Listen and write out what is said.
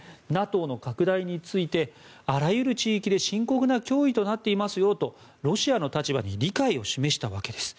ＮＡＴＯの拡大についてあらゆる地域で深刻な脅威となっていますよとロシアの立場に理解を示したわけです。